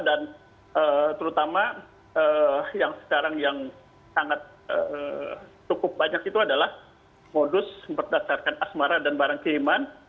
dan terutama yang sekarang yang sangat cukup banyak itu adalah modus berdasarkan asmara dan barang kiriman